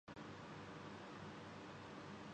اپنے عمر رسیدہ بیٹے کےلیے پسند کرکے لائی تھیں